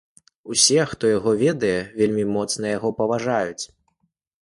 Усе, хто яго ведае, вельмі моцна яго паважаюць.